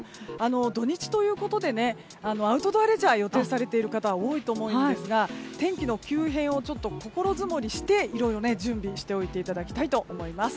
土日ということでアウトドアレジャーを予定されている方多いと思うんですが天気の急変を心づもりしていろいろ準備をしておいていただきたいと思います。